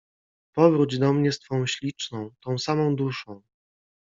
Powróć do mnie z twą śliczną, tą samą duszą!